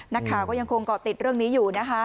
นักข่าวก็ยังคงเกาะติดเรื่องนี้อยู่นะคะ